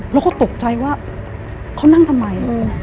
เราก็ตกใจว่าเขานั่งทำไม